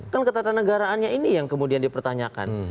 kan ketatanegaraannya ini yang kemudian dipertanyakan